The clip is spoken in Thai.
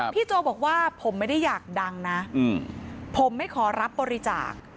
โจบอกว่าผมไม่ได้อยากดังนะผมไม่ขอรับบริจาค